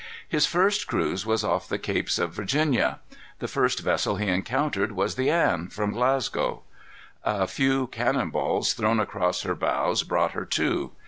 His first cruise was off the Capes of Virginia. The first vessel he encountered was the Anne, from Glasgow. A few cannon balls thrown across her bows brought her to.